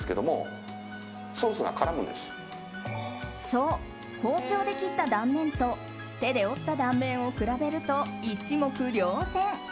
そう、包丁で切った断面と手で折った断面を比べると一目瞭然。